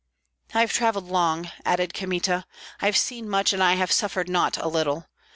"I have travelled long," added Kmita, "I have seen much and I have suffered not a little.